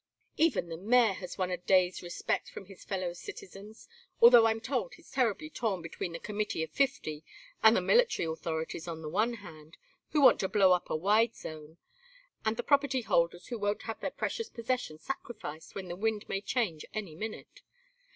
Even the mayor has won a day's respect from his fellow citizens, although I'm told he's terribly torn between the Committee of Fifty and the military authorities on the one hand, who want to blow up a wide zone, and the property holders who won't have their precious possessions sacrificed when the wind may change any minute.